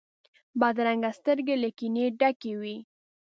بدرنګه سترګې له کینې ډکې وي